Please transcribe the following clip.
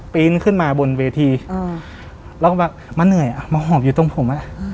ปีนขึ้นมาบนเวทีแล้วก็มาเหนื่อยมาหอบอยู่ตรงผม